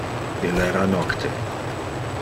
Il era nocte.